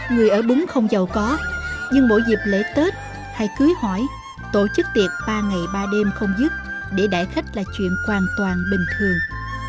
người ở búng không giàu có nhưng mỗi dịp lễ tết hay cưới hỏi tổ chức tiệc ba ngày ba đêm không dứt để đại khách là chuyện hoàn toàn bình thường